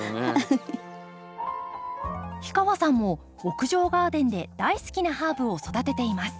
氷川さんも屋上ガーデンで大好きなハーブを育てています。